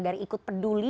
agar ikut peduli